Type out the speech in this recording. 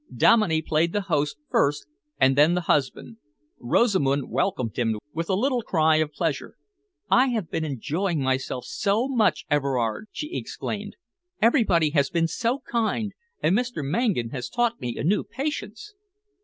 Dominey played the host first and then the husband. Rosamund welcomed him with a little cry of pleasure. "I have been enjoying myself so much, Everard!" she exclaimed. "Everybody has been so kind, and Mr. Mangan has taught me a new Patience."